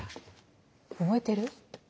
覚えてる？